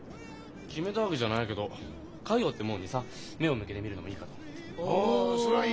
決めたわけじゃないけど家業ってもんにさ目を向けてみるのもいいかと思って。